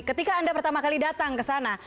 ketika anda pertama kali datang ke sana